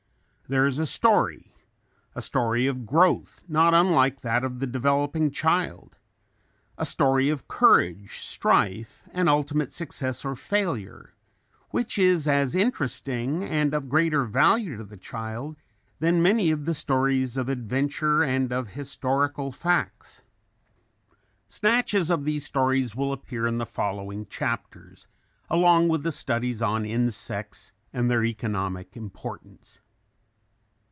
There is a story a story of growth, not unlike that of the developing child, a story of courage, strife and ultimate success or failure, which is as interesting and of greater value to the child than many of the stories of adventure and of historical facts. Snatches of these stories will appear in the following chapters along with the studies on insects and their economic importance.